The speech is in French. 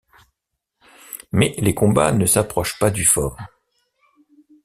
Mais les combats ne s'approchent pas du fort.